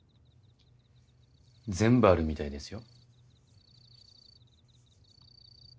全部あるみたいですよ。